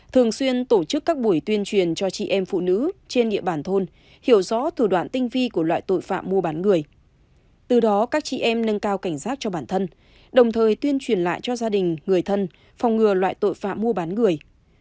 thường xuyên tổ chức các buổi tuyên truyền cho chị em phụ nữ trên địa bàn thôn hiểu rõ thủ đoạn tinh vi của loại tội phạm mua bán người từ đó các chị em nâng cao cảnh giác cho bản thân đồng thời tuyên truyền lại cho gia đình người thân phòng ngừa loại tội phạm mua bán người